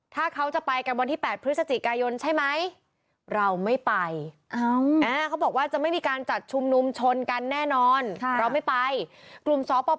ถ้าเขาจะไปกันวันที่๘พฤศจิกายนใช่ไหม